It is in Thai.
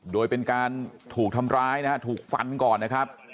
โดยเป็นการถูกทำร้ายนะฮะถูกฟันก่อนนะครับ